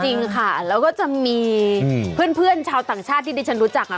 จริงค่ะแล้วก็จะมีเพื่อนชาวต่างชาติที่ดิฉันรู้จักอ่ะ